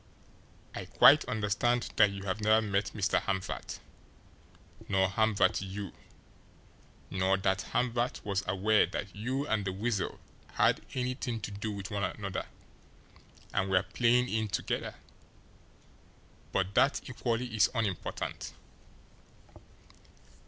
I quite understand that you have never met Hamvert, nor Hamvert you, nor that Hamvert was aware that you and the Weasel had anything to do with one another and were playing in together but that equally is unimportant.